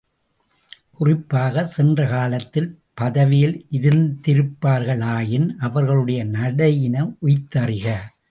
குறிப்பாகச் சென்ற காலத்தில் பதவியில் இருந்திருப்பார்களாயின் அவர்களுடைய நடையினை உய்த்தறிக.